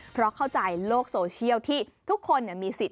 เพราะเข้าใจโลกโซเชียลที่ทุกคนมีสิทธิ